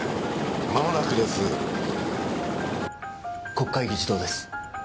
国会議事堂です。